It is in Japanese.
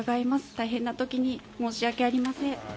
大変な時に申し訳ありません。